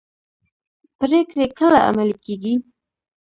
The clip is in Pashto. پریکړې کله عملي کیږي؟